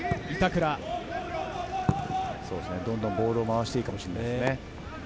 どんどんボールを回していいかもしれませんね。